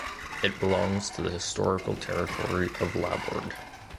It belongs to the historical territory of Labourd.